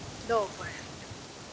これ。